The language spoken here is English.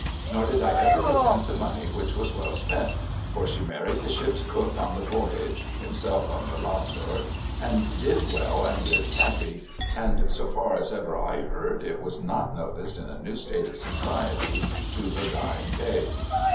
' Nor did I ever repent the money which was well spent, for she married the ship's cook on the voyage (himself a Mulotter) and did well and lived happy, and so far as ever I heard it was not noticed in a new state of society to her dying day.